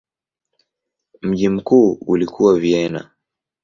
Mji mkuu ulikuwa Vienna.